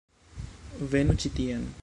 Venu ĉi tien